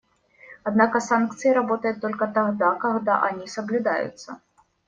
Однако санкции работают только тогда, когда они соблюдаются.